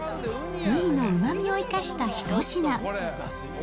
ウニのうまみを生かした一品。